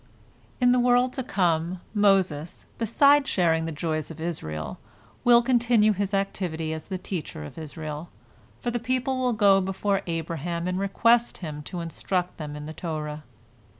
" In the world to come Moses, beside sharing the joys of Israel, will continue his activity as the teacher of Israel, for the people will go before Abraham and request him to instruct them in the Torah.